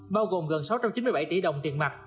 bao gồm gần sáu trăm chín mươi bảy tỷ đồng tiền mặt